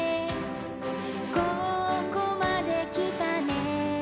「ここまで来たね」